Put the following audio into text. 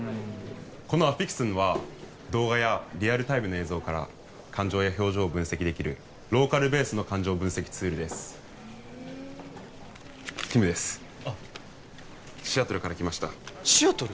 このアフィクストンは動画やリアルタイムの映像から感情や表情を分析できるローカルベースの感情分析ツールです・へえティムですあっシアトルから来ましたシアトル？